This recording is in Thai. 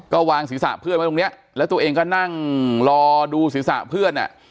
ก็วางศีรษะเพื่อนไว้ตรงเนี้ยแล้วตัวเองก็นั่งรอดูศีรษะเพื่อนอ่ะ